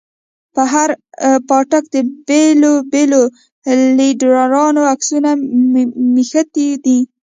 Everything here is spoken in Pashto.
پر هر پاټک د بېلو بېلو ليډرانو عکسونه مښتي دي.